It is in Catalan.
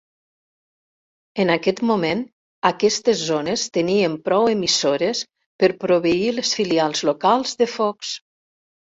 En aquest moment, aquestes zones tenien prou emissores per proveir les filials locals de Fox.